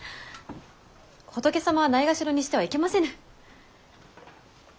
仏様はないがしろにしてはいけませぬ。